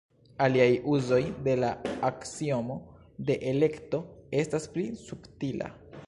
Aliaj uzoj de la aksiomo de elekto estas pli subtila.